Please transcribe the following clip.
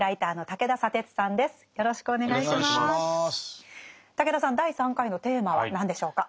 武田さん第３回のテーマは何でしょうか？